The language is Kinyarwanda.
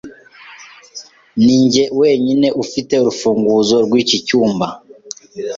Ninjye wenyine ufite urufunguzo rwiki cyumba.